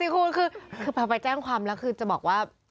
คือมาแจ้งความลักคือจะบอกว่า